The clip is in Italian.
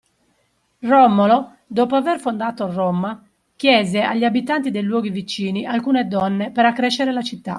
Romolo, dopo aver fondato Roma, chiese agli abitanti dei luoghi vicini alcune donne per accrescere la città.